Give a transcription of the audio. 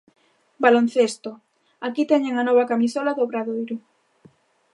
Baloncesto: Aquí teñen a nova camisola do Obradoiro.